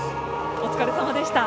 お疲れさまでした。